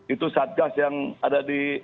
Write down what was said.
itu satgas yang ada di